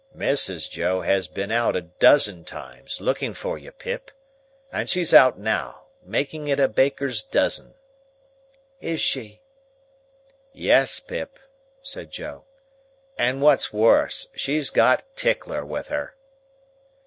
"Mrs. Joe has been out a dozen times, looking for you, Pip. And she's out now, making it a baker's dozen." "Is she?" "Yes, Pip," said Joe; "and what's worse, she's got Tickler with her."